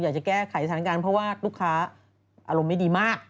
อยากจะแก้ไขสถานการณ์เพราะว่าลูกค้าอารมณ์ไม่ดีมาก